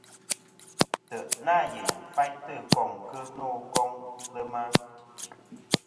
Ntè' nâ yèyn faytɨ koŋ kɨ no koŋ ilema.